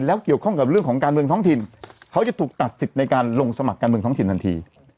แล้วเกี่ยวข้องกับเรื่องของการเมืองท้องถิ่นเขาจะถูกตัดสิทธิ์ในการลงสมัครการเมืองท้องถิ่นทันที